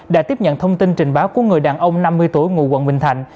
đã tiếp nhận thông tin trình báo của người đàn ông năm mươi tuổi ngụ quận bình thạnh